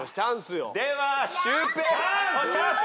ではシュウペイ。